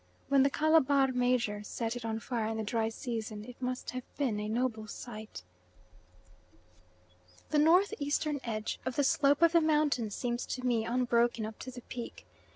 When "the Calabar major" set it on fire in the dry season it must have been a noble sight. The north eastern edge of the slope of the mountain seems to me unbroken up to the peak.